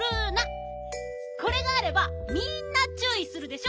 これがあればみんなちゅういするでしょ。